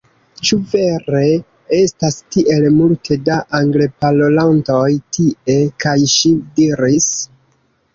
"Ĉu vere estas tiel multe da Angleparolantoj tie?" kaj ŝi diris: